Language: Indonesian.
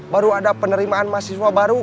baru ada penerimaan mahasiswa baru